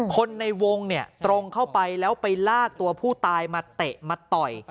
คนในวงเนี่ยตรงเข้าไปแล้วไปลากตัวผู้ตายมาเตะมาต่อย